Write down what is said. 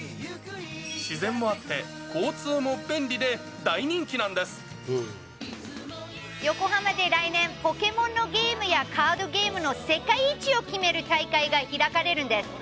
自然もあって、横浜で来年、ポケモンのゲームやカードゲームの世界一を決める大会が開かれるんです。